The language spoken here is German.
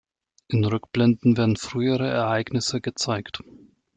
In Rückblenden werden frühere Ereignisse gezeigt.